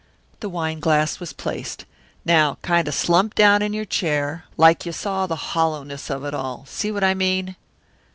The wine glass was placed. "Now kind of slump down in your chair, like you saw the hollowness of it all see what I mean?"